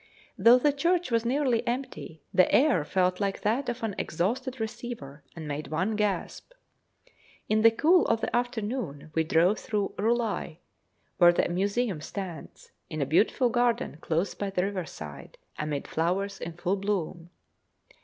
Though the church was nearly empty, the air felt like that of an exhausted receiver, and made one gasp. In the cool of the afternoon we drove through Roulai, where the museum stands, in a beautiful garden close by the riverside, amid flowers in full bloom.